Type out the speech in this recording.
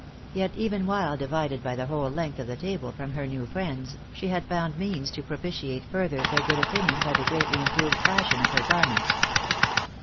Yet, even while divided by the whole length of the table from her new friends, she had found means to propitiate further their good opinion by the greatly improved fashion of her garments.